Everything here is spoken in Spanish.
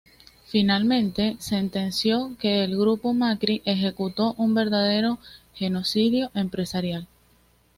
Finalmente sentenció que “el Grupo Macri ejecutó un verdadero genocidio empresarial“.